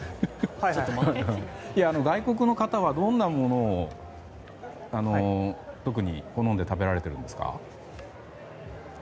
外国の方はどんなものを特に好んで食べられてるんですか？